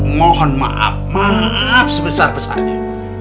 mohon maaf maaf sebesar besarnya